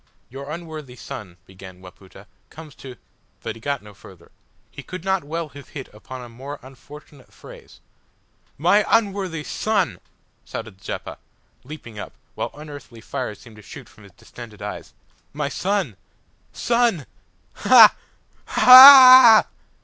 "Your unworthy son," began Wapoota, "comes to " But he got no further. He could not well have hit upon a more unfortunate phrase. "My unworthy son!" shouted Zeppa, leaping up, while unearthly fires seemed to shoot from his distended eyes. "My son! son! Ha! ha a a a!"